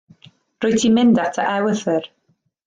Rwyt ti'n mynd at dy ewythr.